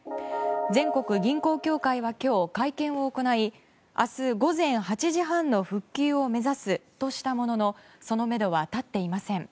全国銀行協会は今日、会見を行い明日午前８時半の復旧を目指すとしたもののそのめどは立っていません。